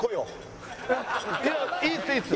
いいっすいいっす。